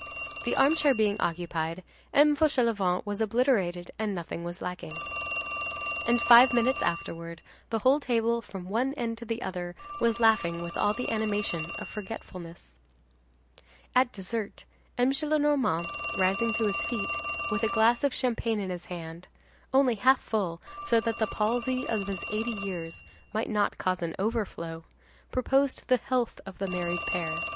The armchair being occupied, M. Fauchelevent was obliterated; and nothing was lacking. And, five minutes afterward, the whole table from one end to the other, was laughing with all the animation of forgetfulness. At dessert, M. Gillenormand, rising to his feet, with a glass of champagne in his hand—only half full so that the palsy of his eighty years might not cause an overflow,—proposed the health of the married pair.